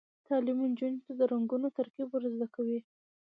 تعلیم نجونو ته د رنګونو ترکیب ور زده کوي.